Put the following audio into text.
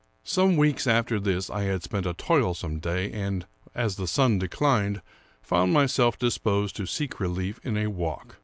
Some weeks after this I had spent a toilsome day, and, as the sun declined, found myself disposed to seek relief in a walk.